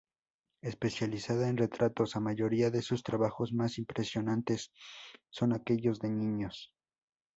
Especializada en retratos, a mayoría de sus trabajos más impresionantes son aquellos de niños.